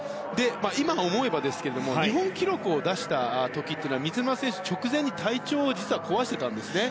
今思えばですが日本記録を出した時は水沼選手は直前に体調を壊していたんですね。